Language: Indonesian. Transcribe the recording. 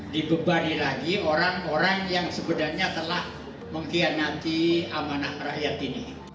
dibebani lagi orang orang yang sebenarnya telah mengkhianati amanah rakyat ini